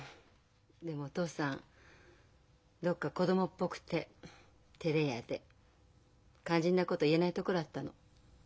でもお父さんどっか子供っぽくててれ屋で肝心なこと言えないところあったの。